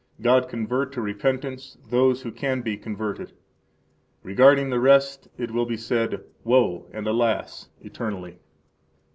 God convert to repentance those who can be converted! Regarding the rest it will be said, Woe, and, alas! eternally.